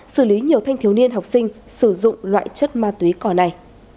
xử lý nhiều thanh thiếu niên học sinh sử dụng loại chất ma túy cỏ này